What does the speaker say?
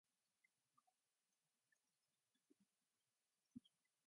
Just about.